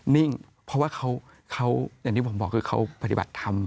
นิ่งเพราะว่าเขาอย่างที่ผมบอกคือเขาปฏิบัติธรรม